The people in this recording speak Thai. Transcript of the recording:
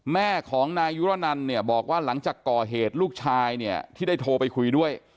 แม่ของนายยุรนันเนี่ยบอกว่าหลังจากก่อเหตุลูกชายเนี่ยที่ได้โทรไปคุยด้วย